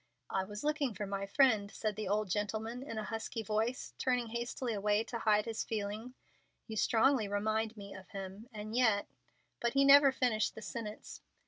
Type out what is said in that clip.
"I was looking for my friend," said the old gentleman, in a husky voice, turning hastily away to hide his feeling. "You strongly remind me of him; and yet " But he never finished the sentence.